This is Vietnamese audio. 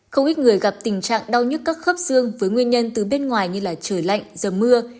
không ít người gặp tình trạng đau nhức các khớp xương với nguyên nhân từ bên ngoài như là trời lạnh dầm mưa